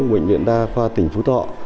của bệnh viện đa khoa tỉnh phú thọ